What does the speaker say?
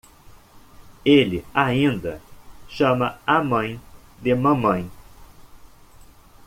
Ele ainda chama a mãe de "mamãe".